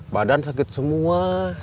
badan sakit semua